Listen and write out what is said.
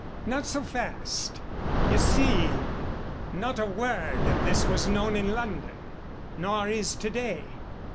"Not so fast. Ye see, not a word of this was known in London; nor is to day.